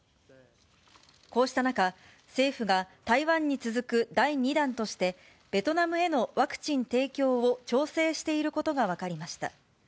こうした中、政府が台湾に続く第２弾として、ベトナムへのワクチン提供を調整していることが分かりました。